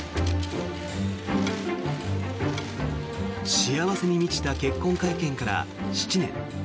幸せに満ちた結婚会見から７年。